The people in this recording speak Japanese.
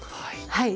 はい。